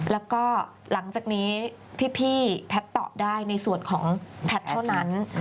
แล้วก็หลังจากนี้พี่แพทย์ตอบได้ในส่วนของแพทย์เท่านั้น